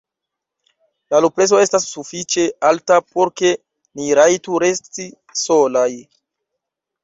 La luprezo estas sufiĉe alta, por ke ni rajtu resti solaj.